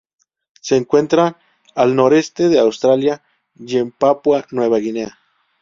Se encuentran al noroeste de Australia y en Papúa Nueva Guinea.